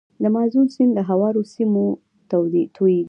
د مازون سیند له هوارو سیمو تویږي.